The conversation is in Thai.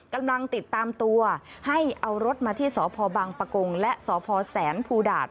กำลังติดตามตัวให้เอารถมาที่สพบังปะกงและสพแสนภูดาต